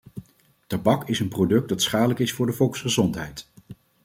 Tabak is een product dat schadelijk is voor de volksgezondheid.